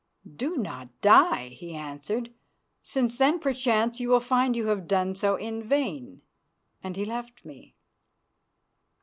"Do not die," he answered, "since then perchance you will find you have done so in vain," and he left me.